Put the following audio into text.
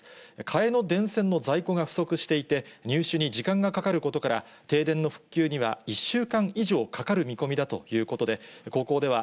換えの電線の在庫が不足していて、入手に時間がかかることから、停電の復旧には１週間以上かかる見込みだということで、高校では